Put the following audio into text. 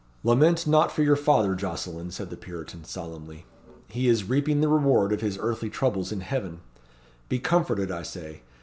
"Lament not for your father, Jocelyn," said the Puritan, solemnly; "he is reaping the reward of his earthly troubles in heaven! Be comforted, I say.